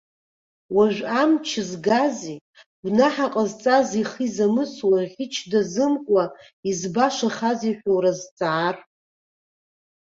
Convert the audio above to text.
Уажәы амч згази, гәнаҳа ҟазҵаз ихы изамысуа, ӷьыч дазымкуа избашахазеи ҳәа уразҵаар.